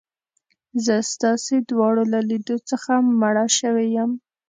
زه ستاسي دواړو له لیدو څخه مړه شوې یم.